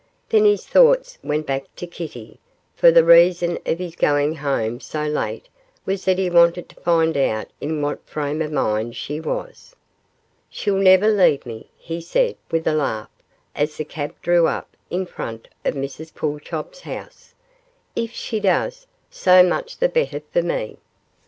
Then his thoughts went back to Kitty, for the reason of his going home so late was that he wanted to find out in what frame of mind she was. 'She'll never leave me,' he said, with a laugh, as the cab drew up in front of Mrs Pulchop's house; 'if she does, so much the better for me.